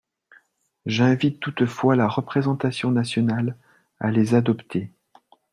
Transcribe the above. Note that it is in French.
J’invite toutefois la représentation nationale à les adopter.